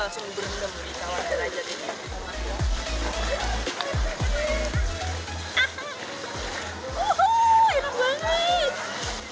abis itu langsung berenam di daerah garut ini